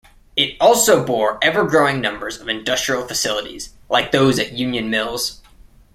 It also bore ever-growing numbers of industrial facilities, like those at Union Mills.